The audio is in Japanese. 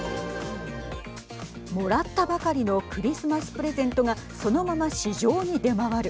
もらったばかりのクリスマスプレゼントがそのまま市場に出回る。